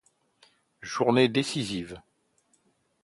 Journée décisive.